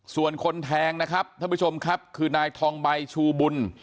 ส่วนคนแทงนะครับท่านผู้ชมครับคือนายทองใบชูบุญ